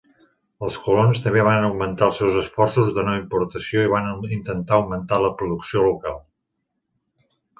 Els colons també van augmentar els seus esforços de no importació i van intentar augmentar la producció local.